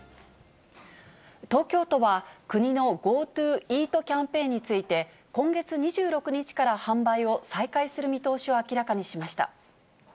東京都は、国のＧｏＴｏＥａｔキャンペーンについて、今月２６日から販売を再開する見通しを明らかにしました。